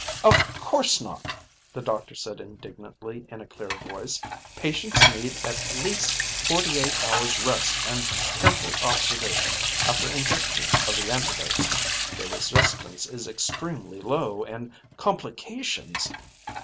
"Of course not," the doctor said indignantly in a clear voice. "Patients need at least forty eight hours rest and careful observation after injection of the antidotes. Their resistance is extremely low and complications